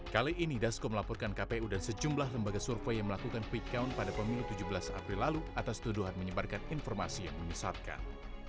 kali ini dasko melaporkan kpu dan sejumlah lembaga survei yang melakukan quick count pada pemilu tujuh belas april lalu atas tuduhan menyebarkan informasi yang menyesatkan